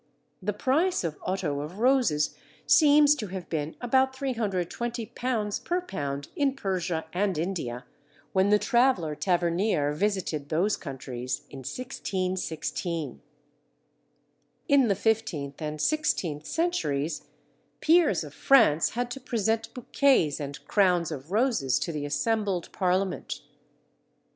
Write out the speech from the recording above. The price of otto of roses seems to have been about £320 per pound in Persia and India when the traveller Tavernier visited those countries in 1616. In the fifteenth and sixteenth centuries, peers of France had to present bouquets and crowns of roses to the assembled Parliament.